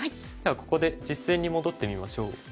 ではここで実戦に戻ってみましょう。